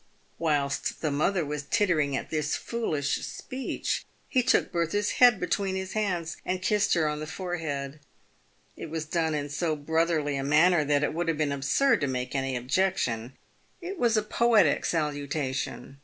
Whilst the mother was tittering at this foolish speech, he took Bertha's head between his hands and kissed her on the forehead. It was done in so brotherly a manner that it would have been absurd to make any objection. It was a poetic salutation.